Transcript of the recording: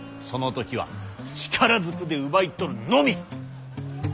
その時は力ずくで奪い取るのみ！